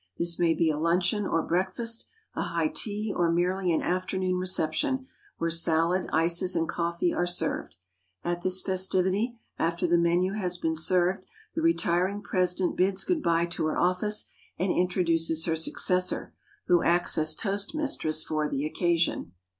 This may be a luncheon or breakfast, a high tea or merely an afternoon reception, where salad, ices and coffee are served. At this festivity, after the menu has been served, the retiring president bids good by to her office and introduces her successor, who acts as toast mistress for the occasion.